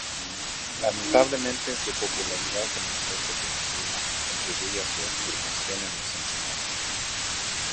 Lamentablemente, su popularidad como flor decorativa contribuye a su extirpación en los encinares.